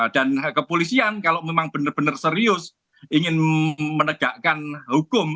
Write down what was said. dan kepolisian kalau memang benar benar serius ingin menegakkan hukum